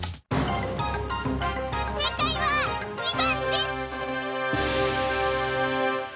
せいかいは２ばんです！